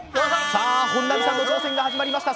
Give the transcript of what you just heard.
本並さんの挑戦が始まりました。